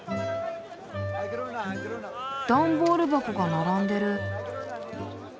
段ボール箱が並んでる。